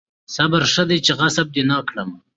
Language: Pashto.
صابره ښه ده چې غصه دې نه کړم